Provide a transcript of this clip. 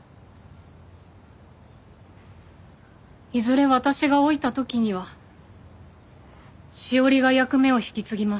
いずれ私が老いた時にはしおりが役目を引き継ぎます。